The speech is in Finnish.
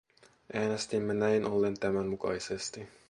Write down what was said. Äänestimme näin ollen tämän mukaisesti.